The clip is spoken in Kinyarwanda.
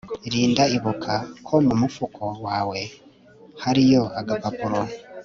Linda ibuka ko mumufuko wawe hariyo agapapuro